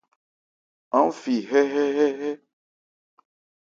Aán fi hɛ́hɛ́hɛ́.